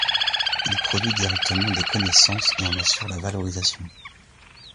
Il produit directement des connaissances et en assure la valorisation.